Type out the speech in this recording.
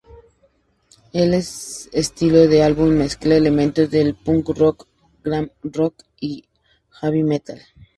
El estilo del álbum mezcla elementos del punk rock, glam rock y heavy metal.